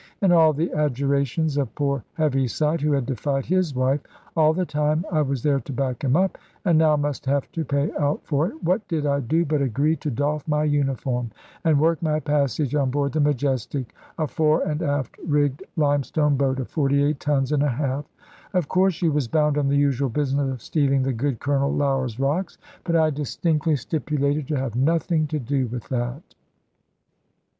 and all the adjurations of poor Heaviside, who had defied his wife (all the time I was there to back him up), and now must have to pay out for it what did I do but agree to doff my uniform, and work my passage on board the Majestic, a fore and aft rigged limestone boat of forty eight tons and a half? Of course she was bound on the usual business of stealing the good Colonel Lougher's rocks, but I distinctly stipulated to have nothing to do with that.